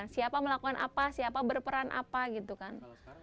siapa melakukan apa siapa berperan apa gitu kan